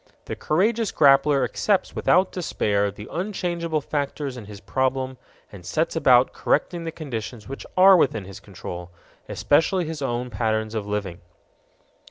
The courageous grappler accepts without despair the unchangeable factors in his problem and sets about correcting the conditions which are within his control especially his own patterns of living.